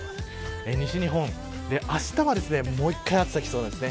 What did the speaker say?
西日本あしたはもう一回暑さがきそうです。